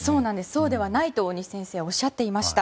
そうではないと大西先生はおっしゃっていました。